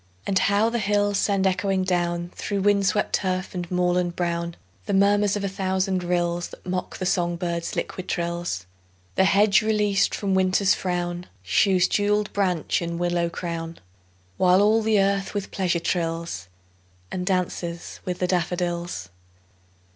And how the hills send echoing down, Through wind swept turf and moorland brown, The murmurs of a thousand rills That mock the song birds' liquid trills! The hedge released from Winter's frown Shews jewelled branch and willow crown; While all the earth with pleasure trills, And 'dances with the daffodils.